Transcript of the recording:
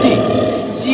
semua orang menangkap david